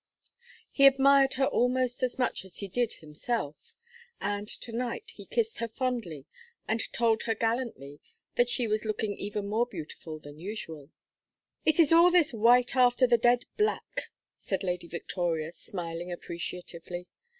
He admired her almost as much as he did himself, and to night he kissed her fondly and told her gallantly that she was looking even more beautiful than usual. "It is all this white after the dead black," said Lady Victoria, smiling appreciatively.